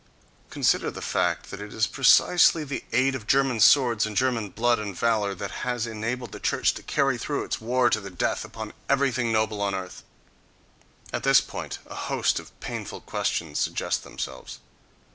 Consider the fact that it is precisely the aid of German swords and German blood and valour that has enabled the church to carry through its war to the death upon everything noble on earth! At this point a host of painful questions suggest themselves.